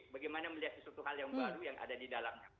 bagaimana melihat sesuatu hal yang baru yang ada di dalamnya